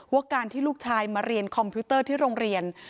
ว่าการที่ลูกชายมาเรียนคอมพิวเตอร์ที่โรงเรียน